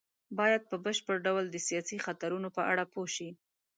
بايد په بشپړ ډول د سياسي خطرونو په اړه پوه شي.